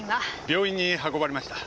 病院に運ばれました。